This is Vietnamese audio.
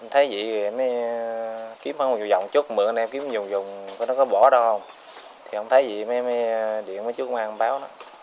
em thấy gì thì em mới kiếm vòng vòng chút mượn anh em kiếm vòng vòng coi nó có bỏ đâu không thì không thấy gì thì em mới điện với chú công an báo